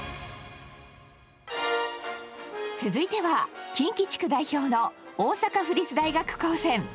続いては近畿地区代表の大阪府立大学高専。